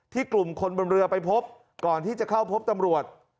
กลุ่มคนบนเรือไปพบก่อนที่จะเข้าพบตำรวจ